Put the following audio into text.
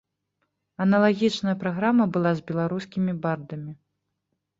Аналагічная праграма была з беларускімі бардамі.